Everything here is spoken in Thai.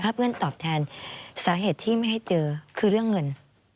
เพื่อนตอบแทนสาเหตุที่ไม่ให้เจอคือเรื่องเงิน